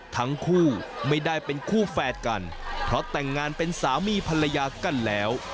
ทั้งคู่ไม่ได้เป็นคู่แฝดกันเพราะแต่งงานเป็นสามีภรรยากันแล้ว